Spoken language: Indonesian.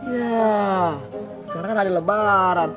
ya sekarang kan hari lebaran